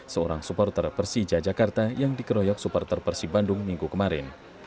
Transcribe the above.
seorang supporter persija jakarta yang dikeroyok supporter persi bandung minggu kemarin